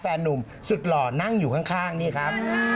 นุ่มสุดหล่อนั่งอยู่ข้างนี่ครับ